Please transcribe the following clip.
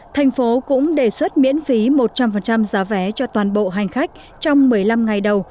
thành phố cũng đề xuất miễn phí một trăm linh giá vé cho toàn bộ hành khách trong một mươi năm ngày đầu